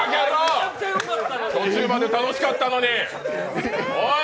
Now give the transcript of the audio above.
途中まで楽しかったのに、おい！